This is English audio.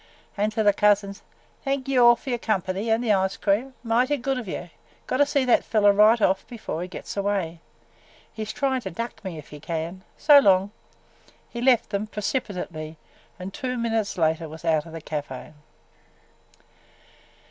And to the cousins: "Thank ye all for your company – an' the cream. Mighty good of you! Gotta see that feller right off before he gets away. He 's tryin' to duck me – if he can! So long!" He left them precipitately and two minutes later was out of the café.